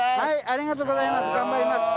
ありがとうございます。